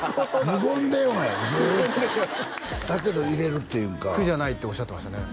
無言電話やんずっと無言電話だけどいれるっていうか苦じゃないっておっしゃってましたよね